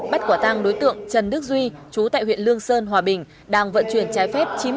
bắt quả tăng đối tượng trần đức duy chú tại huyện lương sơn hòa bình đang vận chuyển trái phép